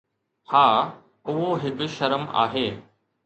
ها، اهو هڪ شرم آهي